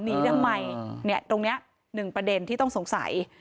หนีทำไมตรงนี้หนึ่งประเด็นที่ต้องสงสัย